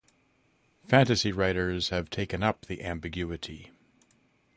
Fantasy writers have taken up the ambiguity.